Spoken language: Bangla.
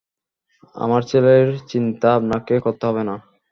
আমার ছেলের চিন্তা আপনাকে করতে হবে না।